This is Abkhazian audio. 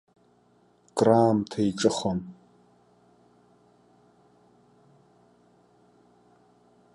Акраамҭа еиҿыхон.